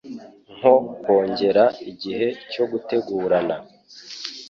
nko kongera igihe cyogutegurana,